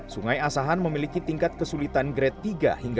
sungai asahan memiliki tingkat kesulitan grade tiga hingga lima